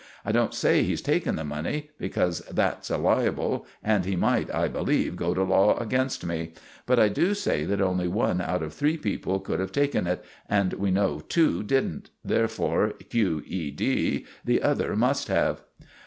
I don't say he's taken the money, because that's a libel, and he might, I believe, go to law against me; but I do say that only one out of three people could have taken it, and we know two didn't, therefore Q.E.D. the other must have."